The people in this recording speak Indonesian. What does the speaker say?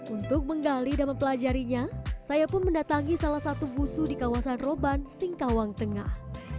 untuk menggali dan mempelajarinya saya pun mendatangi salah satu wusu di kawasan roban singkawang tengah